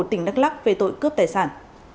tỉnh đắk lắc về tội cướp tài sản